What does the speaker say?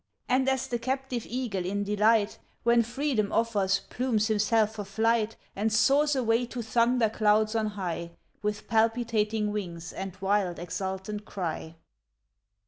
And as the captive eagle in delight, When freedom offers, plumes himself for flight And soars away to thunder clouds on high, With palpitating wings and wild exultant cry.